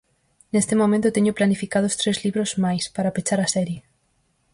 Neste momento teño planificados tres libros máis, para pechar a serie.